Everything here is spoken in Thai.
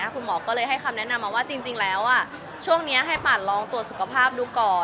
คุณหมอก็เลยให้คำแนะนำมาว่าจริงแล้วช่วงนี้ให้ปั่นลองตรวจสุขภาพดูก่อน